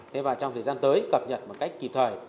thế và trong thời gian tới cập nhật một cách kịp thời